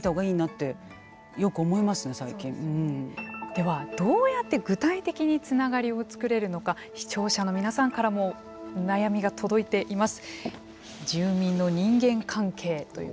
ではどうやって具体的につながりを作れるのか視聴者の皆さんからも悩みが届いています。